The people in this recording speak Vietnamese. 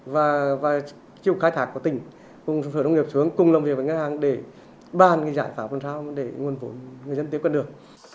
và chịu khai thác của tỉnh cùng sự đồng nghiệp xuống cùng làm việc với ngân hàng để ban giải pháp phần sau để nguồn vốn người dân tiếp cận được